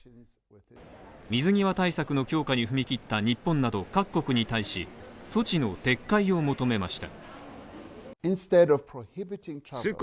水際対策の強化に踏み切った日本など各国に対し、措置の撤回を求めました。